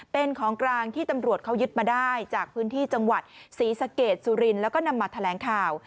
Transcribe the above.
เป็นของกลางที่ตำรวจเขายึดมาได้จากพื้นที่จังหวัดศรีสะเกดสุรินทร์แล้วก็นำมาแถลงข่าว